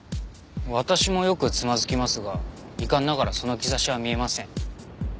私もよくつまずきますが遺憾ながらその兆しは見えません。